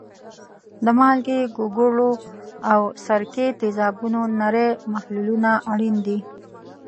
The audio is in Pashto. د مالګې، ګوګړو او سرکې تیزابونو نری محلولونه اړین دي.